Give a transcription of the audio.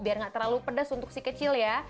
biar nggak terlalu pedas untuk si kecil ya